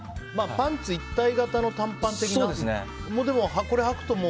パンツ一体型の短パン的な？